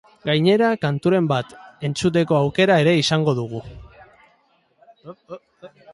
Gainera, kanturen bat entzuteko aukera ere izango dugu.